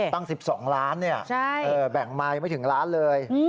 แต่ว่าตั้ง๑๒ล้านบาทแบ่งมายังไม่ถึงล้านเลย